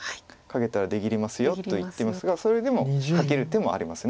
カケたら出切りますよと言ってますがそれでもカケる手もあります